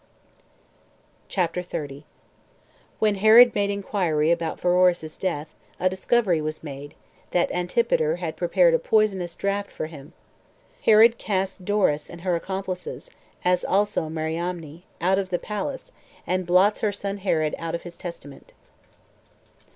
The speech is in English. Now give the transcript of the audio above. CHAPTER 30. When Herod Made Inquiry About Pheroras's Death A Discovery Was Made That Antipater Had Prepared A Poisonous Draught For Him. Herod Casts Doris And Her Accomplices, As Also Mariamne, Out Of The Palace And Blots Her Son Herod Out Of His Testament.